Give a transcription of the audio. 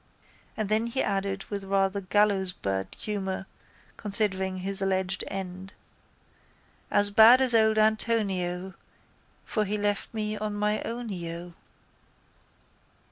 And then he added with rather gallowsbird humour considering his alleged end: —As bad as old Antonio, For he left me on my ownio.